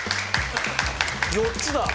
４つだ。